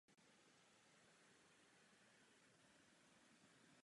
Kostel je obklopen bývalým hřbitovem s kamennou ohradní zdí.